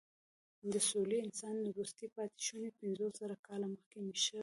د سولويي انسانانو وروستي پاتېشوني پنځوسزره کاله مخکې مېشته وو.